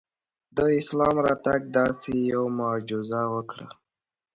د اسلام راتګ داسې یوه معجزه وکړه.